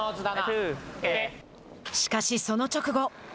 しかし、その直後。